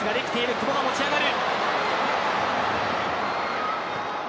久保が持ち上がる。